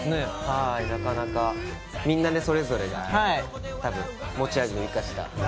なかなかみんなね、それぞれがね、持ち味を生かした。